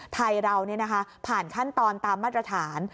ไทยเราผ่านขั้นตอนตามมาตรฐาน